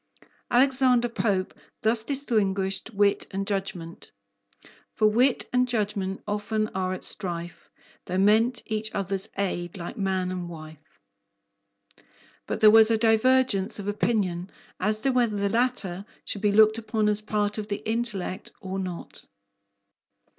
Alexander Pope thus distinguished wit and judgment: For wit and judgment often are at strife, Though meant each other's aid like man and wife. But there was a divergence of opinion as to whether the latter should be looked upon as part of the intellect or not.